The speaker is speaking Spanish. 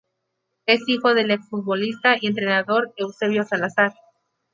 Es hijo del ex futbolista y entrenador Eusebio Salazar.